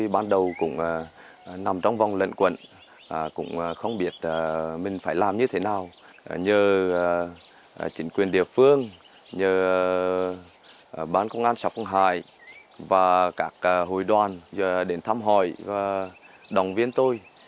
bán công an sạc công hải và các hội đoàn đến thăm hỏi và đồng viên tôi